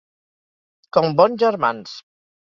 Com bons germans.